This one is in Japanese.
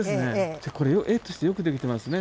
じゃあこれ絵としてよくできてますね。